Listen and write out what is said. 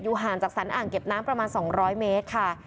ห่างจากสรรอ่างเก็บน้ำประมาณ๒๐๐เมตรค่ะ